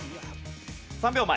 ３秒前。